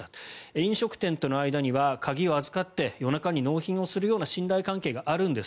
飲食店の間には鍵を預かって夜中に納品するような信頼関係があるんです。